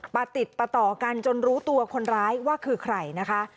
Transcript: ประติดประต่อกันจนรู้ตัวคนร้ายว่าคือใครนะคะ